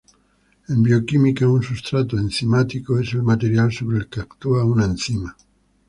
En bioquímica, un sustrato enzimático es el material sobre el que actúa una enzima.